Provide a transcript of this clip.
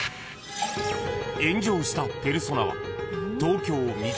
［炎上したペルソナは］